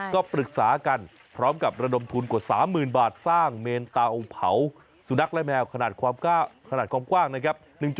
ก็ปรึกษากันพร้อมกับระดมทุนกว่า๓๐๐๐บาทสร้างเมนตาองค์เผาสุนัขและแมวขนาดความกว้างนะครับ